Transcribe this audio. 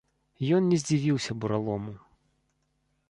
Ён не здзівіўся буралому.